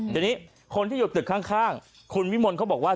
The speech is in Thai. ทีนี้คนที่อยู่ตึกข้างคุณวิมลเขาบอกว่า